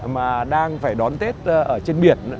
mà đang phải đón tết ở trên biển